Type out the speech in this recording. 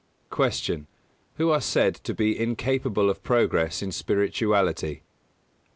220. Q. Who are said to be incapable of progress in spirituality? A.